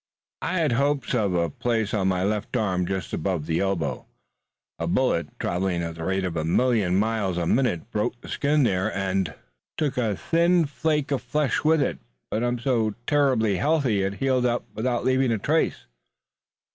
"I had hopes of a place on my left arm just above the elbow. A bullet, traveling at the rate of a million miles a minute, broke the skin there and took a thin flake of flesh with it, but I'm so terribly healthy it's healed up without leaving a trace."